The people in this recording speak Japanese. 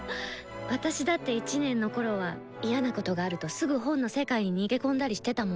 私だって１年のころは嫌なことがあるとすぐ本の世界に逃げ込んだりしてたもん。